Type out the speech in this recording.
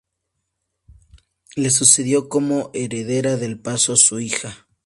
Le sucedió como heredera del Pazo su hija Dª.